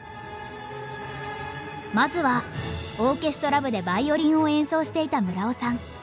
まずはオーケストラ部でヴァイオリンを演奏していた村尾さん。